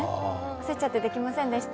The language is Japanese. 焦っちゃってできませんでした。